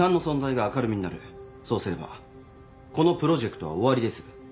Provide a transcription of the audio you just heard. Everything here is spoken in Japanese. そうすればこのプロジェクトは終わりです。